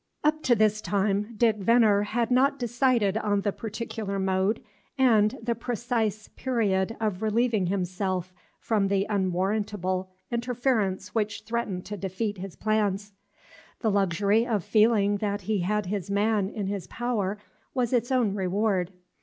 Up to this time Dick Venner had not decided on the particular mode and the precise period of relieving himself from the unwarrantable interference which threatened to defeat his plans. The luxury of feeling that he had his man in his power was its own reward.